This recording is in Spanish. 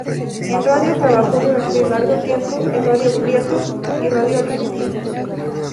En radio trabajo durante largo tiempo en Radio Prieto y Radio Argentina.